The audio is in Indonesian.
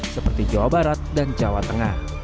seperti jawa barat dan jawa tengah